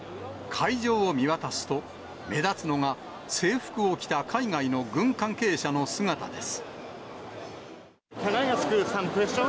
会場を見渡すと、目立つのが制服を着た海外の軍関係者の姿です。